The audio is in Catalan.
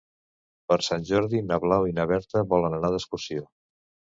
Per Sant Jordi na Blau i na Berta volen anar d'excursió.